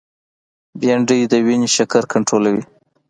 بېنډۍ د وینې شکر کنټرولوي